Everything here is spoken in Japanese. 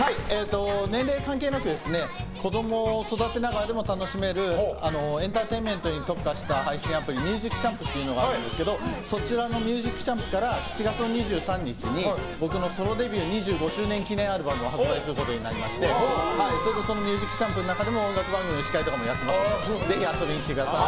年齢関係なく子供を育てながらでも楽しめるエンターテインメントに特化した配信アプリＭｕｓｉｃＣｈａｍｐというのがあるんですけどそちらのＭｕｓｉｃＣｈａｍｐから７月２３日に僕のソロデビュー２５周記念アルバムを発売することになりましてＭｕｓｉｃＣｈａｍｐの中でも音楽番組の司会とかもやっていますのでぜひ遊びに来てください。